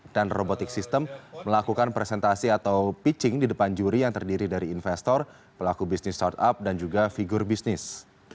dan robotik sistem melakukan presentasi atau pitching di depan juri yang terdiri dari investor pelaku bisnis startup dan juga figur bisnis